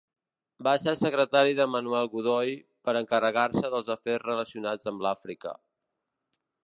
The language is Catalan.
Va ser secretari de Manuel Godoy, per encarregar-se dels afers relacionats amb l'Àfrica.